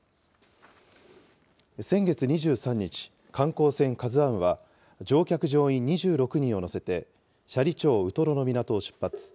先月２３日、観光船ＫＡＺＵＩは、乗客・乗員２６人を乗せて、斜里町ウトロの港を出発。